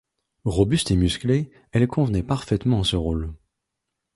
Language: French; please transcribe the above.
Robuste et musclée, elle convenait parfaitement à ce rôle.